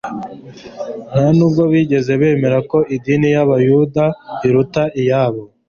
nta nubwo bigeze bemera ko idini y'Abayuda iruta iyabo.